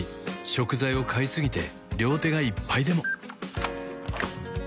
食材を買いすぎて両手がいっぱいでも